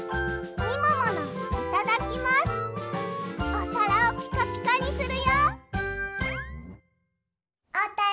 おさらをピカピカにするよ！